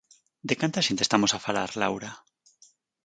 De canta xente estamos a falar, Laura?